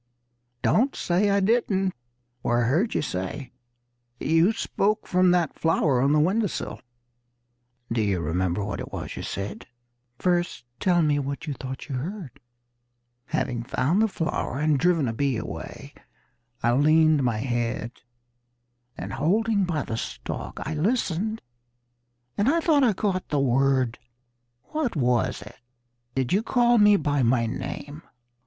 Don't say I didn't, for I heard you say You spoke from that flower on the window sill Do you remember what it was you said?" "First tell me what it was you thought you heard." "Having found the flower and driven a bee away, I leaned my head, And holding by the stalk, I listened and I thought I caught the word What was it? Did you call me by my name?